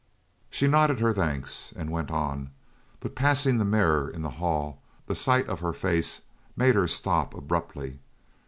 She nodded her thanks, and went on; but passing the mirror in the hall the sight of her face made her stop abruptly.